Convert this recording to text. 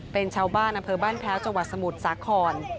เป็นชาวบ้านอำเภอบ้านแพ้วจังหวัดสมุทรสาคร